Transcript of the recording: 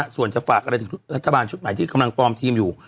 ส่วนจะฝากอะไรถึงรัฐบาลชุดใหม่ที่กำลังฟอร์มทีมอยู่